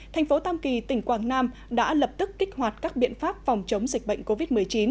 thành phố tam kỳ tỉnh quảng nam đã lập tức kích hoạt các biện pháp phòng chống dịch bệnh covid một mươi chín